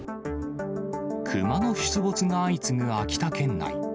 クマの出没が相次ぐ秋田県内。